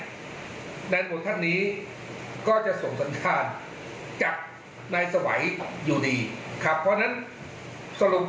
แน่นหมดท่านนี้ก็จะส่งสัญญาณจากในสวัยอยู่ดี